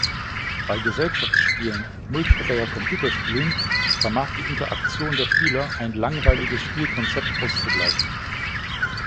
Bei Gesellschaftsspielen und Multiplayer-Computerspielen vermag die Interaktion der Spieler ein langweiliges Spielkonzept auszugleichen.